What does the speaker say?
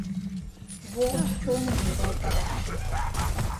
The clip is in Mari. Вор чоным йӱлалтара.